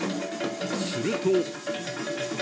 すると